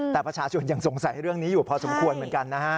แต่ประชาชนยังสงสัยเรื่องนี้อยู่พอสมควรเหมือนกันนะฮะ